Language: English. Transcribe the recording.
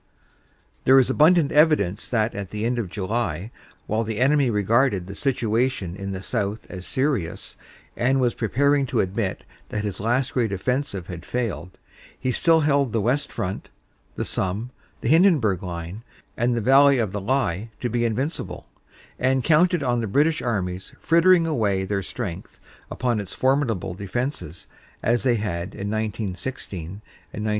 There is abundant evidence that at the end of July, while the enemy regarded the situation in the south as serious and was preparing to admit that his last great offensive had failed, he still held the West Front the Somme, the Hindenburg Line and the valley of the Lys to be invincible, and counted on the British armies frittering away their strength upon its formidable defenses as they had in 1916 and 1917.